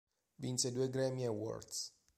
Vinse due Grammy Awards.